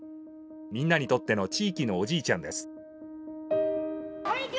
みんなにとっての地域のおじいちゃんです。